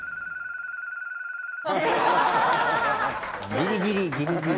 ギリギリギリギリ。